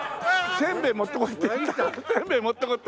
せんべい持ってこいって。